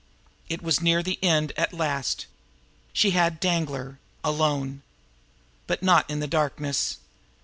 It was near the end at last. She had Danglar alone. But not in the darkness!